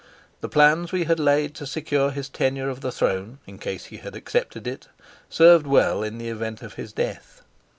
The plans we had laid to secure his tenure of the throne, in case he had accepted it, served well in the event of his death.